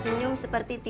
kalau senyum seperti titin